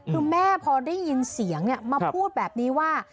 คือแม่พอได้ยินเสียงมาพูดแบบนี้ว่า